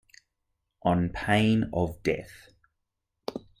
On pain of death.